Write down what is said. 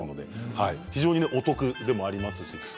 非常にお得でもあります。